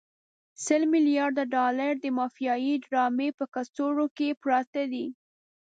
سل ملیارده ډالر د مافیایي ډرامې په کڅوړو کې پراته دي.